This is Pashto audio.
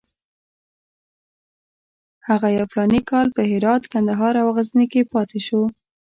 هغه یو فلاني کال په هرات، کندهار او غزني کې پاتې شو.